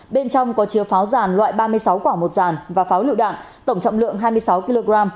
bên trong có chứa pháo giàn loại ba mươi sáu quả một dàn và pháo lựu đạn tổng trọng lượng hai mươi sáu kg